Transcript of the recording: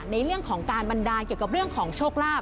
ในเรื่องของการบันดาลเกี่ยวกับเรื่องของโชคลาภ